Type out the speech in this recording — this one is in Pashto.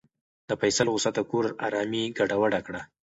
د فیصل غوسه د کور ارامي ګډوډه کړه.